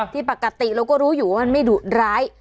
ที่ปกติเราก็รู้อยู่ว่ามันไม่ดุร้าย